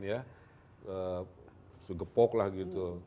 terus gepok lah gitu